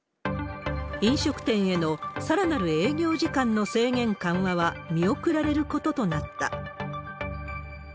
飲食店へのさらなる営業時間の制限緩和は見送られることとなった。